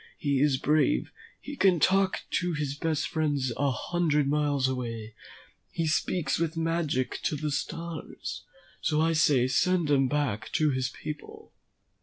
He is brave; he can talk to his friends a hundred miles away; he speaks with magic to the stars. So I say send him back to his people."